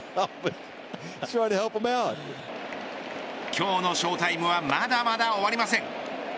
今日の翔タイムはまだまだ終わりません。